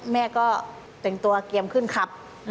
แม่ก็จะเตรียมขึ้นขับ